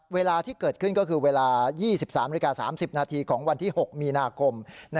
เวลาที่เกิดขึ้นก็คือเวลา๒๓นาฬิกา๓๐นาทีของวันที่๖มีนาคม